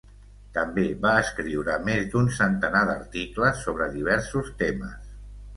També va escriure més d'un centenar d'articles sobre diversos temes.